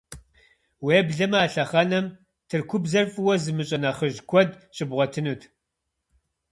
Уеблэмэ а лъэхъэнэм Тыркубзэр фӀыуэ зымыщӀэ нэхъыжь куэд щыбгъуэтынут.